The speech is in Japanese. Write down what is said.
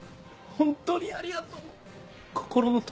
本当にありがとう心の友。